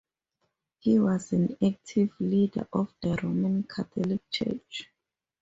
He was an active leader of the Roman Catholic Church.